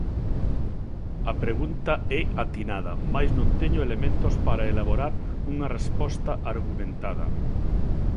A pregunta é atinada mais non teño elementos para elaborar unha resposta argumentada.